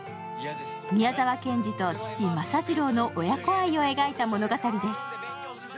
宮沢賢治と父・政次郎の親子愛を描いた作品です。